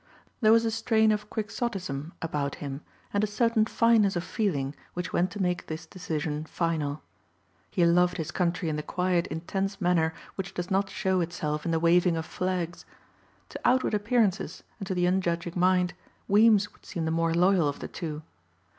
There was a strain of quixotism about him and a certain fineness of feeling which went to make this decision final. He loved his country in the quiet intense manner which does not show itself in the waving of flags. To outward appearances and to the unjudging mind, Weems would seem the more loyal of the two.